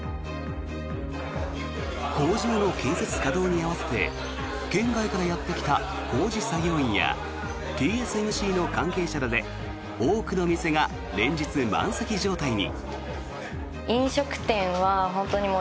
工場の建設稼働に合わせて県外からやってきた工事作業員やＴＳＭＣの関係者らで多くの店が連日、満席状態に。